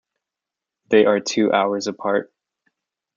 They are two hours apart.